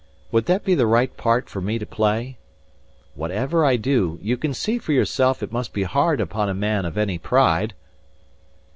Would that be the right part for me to play? Whatever I do, you can see for yourself it must be hard upon a man of any pride."